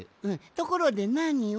ところでなにを？